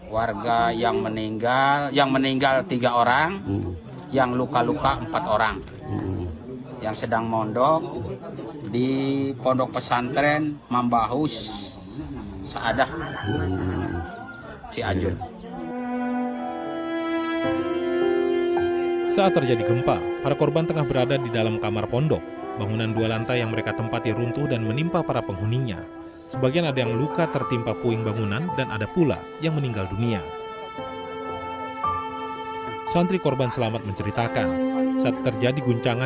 warga yang meninggal yang meninggal tiga orang yang luka luka empat orang